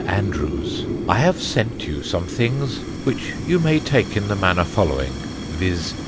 ANDREWS, "I have sent you some things which you may take in the manner following, viz.